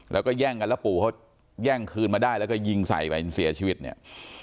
แล้วก็แย่งกันแล้วปู่เขาแย่งคืนมาได้แล้วก็ยิงใส่ไปจนเสียชีวิตเนี่ย